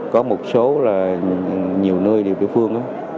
có một số là nhiều nơi địa phương